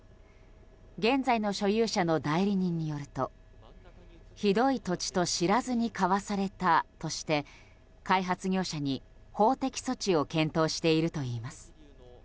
現在の所有者の代理人によるとひどい土地と知らずに買わされたとして開発業者に法的措置を検討しているといいます。